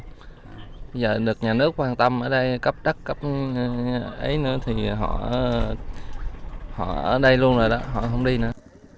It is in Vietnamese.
bây giờ được nhà nước quan tâm ở đây cấp trắc cấp ấy nữa thì họ ở đây luôn rồi đó họ không đi nữa